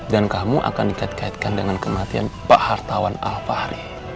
dan kamu akan dikait kaitkan dengan kematian pak hartawan al fahri